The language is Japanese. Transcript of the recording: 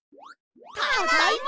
ただいま！